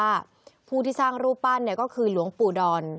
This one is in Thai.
ผู้แก่ในหมู่บ้านบอกว่าผู้ที่สร้างรูปปั้นก็คือหลวงปู่ดอน